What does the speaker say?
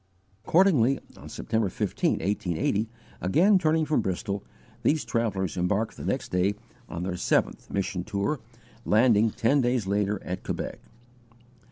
Accordingly on September 15, 1880, again turning from Bristol, these travellers embarked the next day on their seventh mission tour, landing, ten days later, at Quebec.